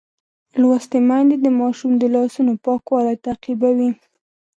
لوستې میندې د ماشوم د لاسونو پاکوالی تعقیبوي.